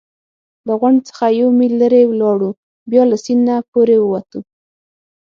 له غونډ څخه یو میل لرې ولاړو، بیا له سیند نه پورې ووتو.